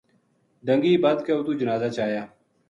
ڈَنگی بَدھ کے اُتو جنازہ چایا